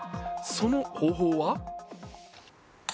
その方法は？